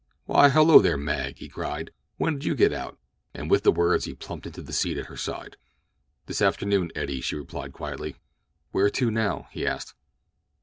"Why, hello there, Mag!" he cried. "When did you get out?" And with the words he plumped into the seat at her side. "This afternoon, Eddie," she replied quietly. "Where to now?" he asked.